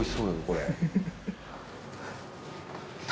これ。